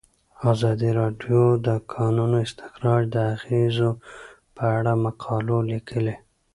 ازادي راډیو د د کانونو استخراج د اغیزو په اړه مقالو لیکلي.